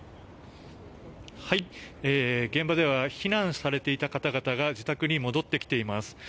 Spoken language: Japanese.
現場では避難されていた方々が自宅に戻ってきています。